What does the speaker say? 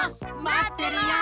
まってるよ！